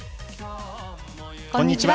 こんにちは。